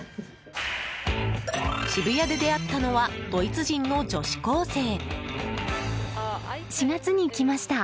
渋谷で出会ったのはドイツ人の女子高生。